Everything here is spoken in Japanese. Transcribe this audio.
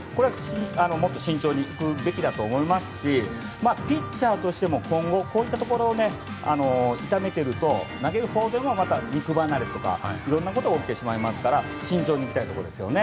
もっと慎重に行くべきだと思いますしピッチャーとしても今後、こういったところを痛めていると投げるフォームも肉離れとか、いろいろなことが起きてしまいますから慎重にいきたいところですね。